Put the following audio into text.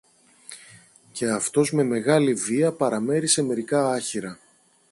και αυτός με μεγάλη βία παραμέρισε μερικά άχυρα